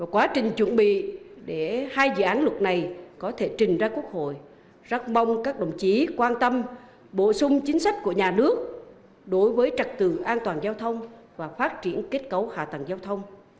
quá trình chuẩn bị để hai dự án luật này có thể trình ra quốc hội rất mong các đồng chí quan tâm bổ sung chính sách của nhà nước đối với trật tự an toàn giao thông và phát triển kết cấu hạ tầng giao thông